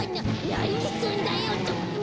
なにすんだよ！